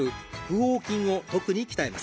横筋を特に鍛えます。